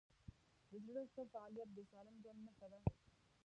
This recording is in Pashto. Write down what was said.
د زړه ښه فعالیت د سالم ژوند نښه ده.